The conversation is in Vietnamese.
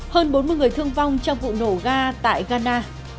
hơn bốn mươi người thương vong trong vụ nổ ga tại ghana